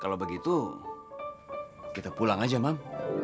kalau begitu kita pulang aja mang